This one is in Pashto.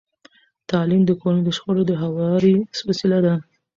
تعلیم د کورني شخړو د هواري وسیله ده.